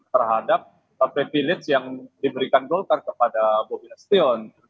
terhadap privilege yang diberikan golkar kepada bobi nasution